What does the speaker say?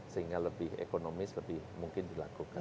sehingga lebih ekonomis lebih mungkin dilakukan